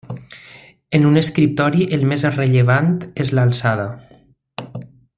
En un escriptori el més rellevant és l'alçada.